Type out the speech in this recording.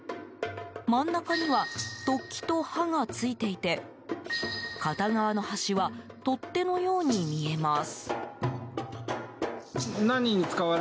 真ん中には突起と刃が付いていて片側の端は取っ手のように見えます。